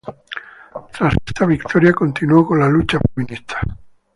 Tras esta victoria continuó con la lucha feminista.